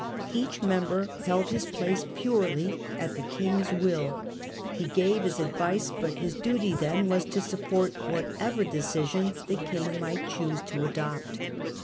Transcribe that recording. Each member held his place purely, at the King's will ; he gave his advice, but his duty then was to support what ever decision the King might choose to adopt.